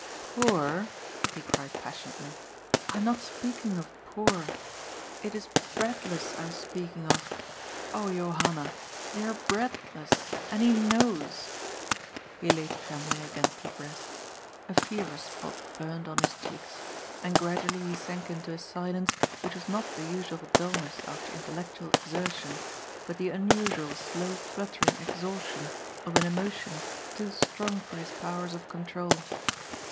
270 GOI>'S FOOL. ^^ Poor !" he cried passionately. ^* I am not speaking of ' poor.' It is * breadless ' I am speaking of. Oh Johanna ! They are breadless. And he knows^ He lay trembling against her breast. A fever spot burned on his cheeks. And gradually he sank into a silence which was not the usual dulness after intellectual exertion, but the unusual slow fluttering exhaustion of an emotion too strong for his powers of control.